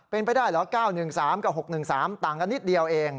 เป็นไปได้เหรอ๙๑๓กับ๖๑๓ต่างกันนิดเดียวเอง